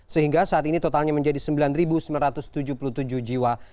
sehingga saat ini totalnya menjadi sembilan sembilan ratus tujuh puluh tujuh jiwa